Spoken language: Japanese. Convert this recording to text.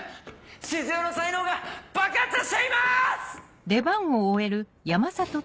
静代の才能が爆発しています！